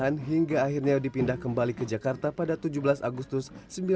bahkan hingga akhirnya dipindah kembali ke jakarta pada tujuh belas agustus seribu sembilan ratus empat puluh